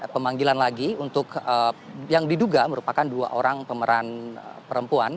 pemanggilan lagi untuk yang diduga merupakan dua orang pemeran perempuan